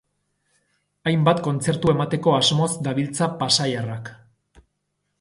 Hainbat kontzertu emateko asmoz dabiltza pasaiarrak.